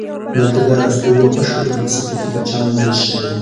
دلته د ارسطو یوه بشپړه فلسفي کتابچه موندل شوې